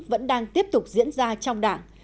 vẫn đang tiếp tục diễn ra trong đảng